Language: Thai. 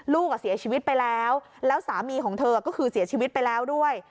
เสียชีวิตไปแล้วแล้วสามีของเธอก็คือเสียชีวิตไปแล้วด้วย